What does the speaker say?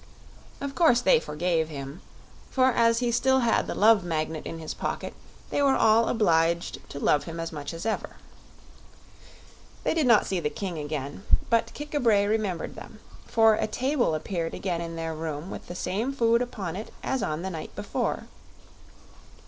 Of coursed they forgave him, for as he still had the Love Magnet in his pocket they were all obliged to love him as much as ever. They did not see the King again, but Kik a bray remembered them; for a table appeared again in their room with the same food upon it as on the night before.